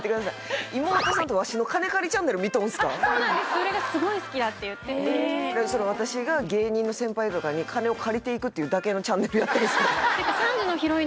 それがすごい好きだって言ってて私が芸人の先輩とかに金を借りていくってだけのチャンネル